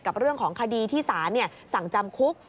กับเรื่องของคดีที่ศาลสั่งจำคุก